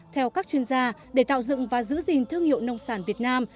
theo các chuyên gia để tạo dựng và giữ gìn thương hiệu nông sản việt nam